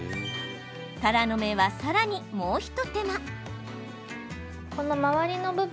たらの芽はさらに、もう一手間。